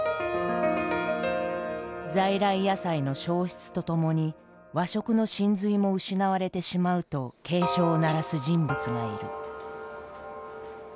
在来野菜の消失とともに和食の神髄も失われてしまうと警鐘を鳴らす人物がいる。